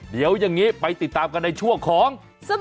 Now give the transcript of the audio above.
เดี๋ยวอย่างนี้ไปติดตามกันในช่วงของสบั